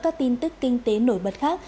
các tin tức kinh tế nổi bật khác